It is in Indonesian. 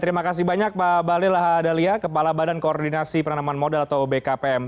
terima kasih banyak pak bahlil laha dahlia kepala badan koordinasi pernamaan modal atau bkpm